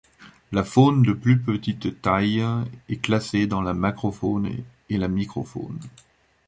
La faune de plus petite taille est classée dans la macrofaune et la microfaune.